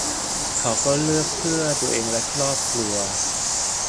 เขาก็มีเลือกเพื่อตัวเองและครอบครัว